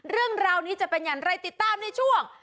เรื่องราวนี้จะเป็นอย่างไรติดตามในช่วง